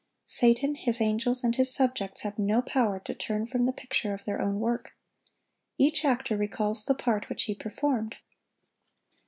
Satan, his angels, and his subjects have no power to turn from the picture of their own work. Each actor recalls the part which he performed.